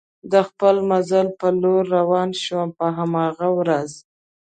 د خپل مزل په لور روان شوم، په هماغه ورځ.